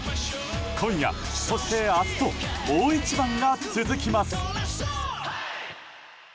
今夜、そして明日と大一番が続きます。